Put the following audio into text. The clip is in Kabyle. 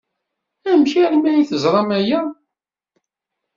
Amek armi ay teẓram aya?